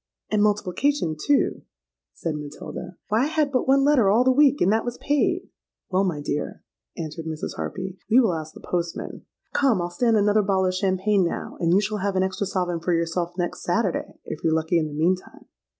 '—'And multiplication too,' said Matilda. 'Why, I had but one letter all the week, and that was paid.'—'Well, my dear,' answered Mrs. Harpy, 'we will ask the postman. Come! I'll stand another bottle of champagne now, and you shall have an extra sovereign for yourself next Saturday, if you're lucky in the meantime.'